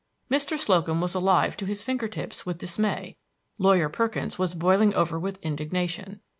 Mr. Slocum was alive to his finger tips with dismay; Lawyer Perkins was boiling over with indignation.